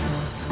itu dia kakak